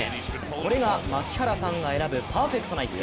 これが槙原さんが選ぶパーフェクトな一球。